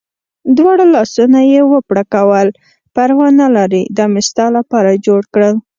دواړه لاسونه یې و پړکول، پروا نه لرې دا مې ستا لپاره جوړ کړل.